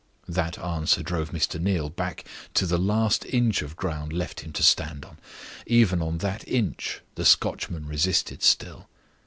That answer drove Mr. Neal back to the last inch of ground left him to stand on. Even on that inch the Scotchman resisted still.